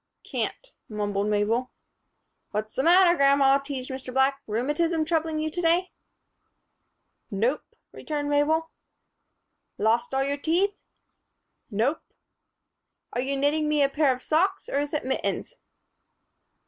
"Can't," mumbled Mabel. "What's the matter, grandma?" teased Mr. Black. "Rheumatism troubling you to day?" "Nope," returned Mabel. "Lost all your teeth?" "Nope." "Are you knitting me a pair of socks or is it mittens?"